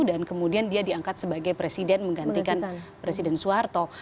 dan kemudian dia diangkat sebagai presiden menggantikan presiden soeharto